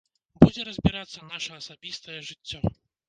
Будзе разбірацца наша асабістае жыццё.